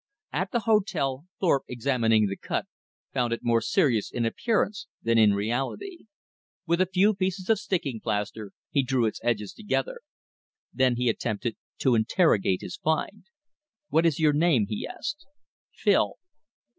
At the hotel Thorpe, examining the cut, found it more serious in appearance than in reality. With a few pieces of sticking plaster he drew its edges together. Then he attempted to interrogate his find. "What is your name?" he asked. "Phil."